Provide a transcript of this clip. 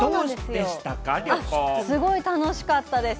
すごい楽しかったです。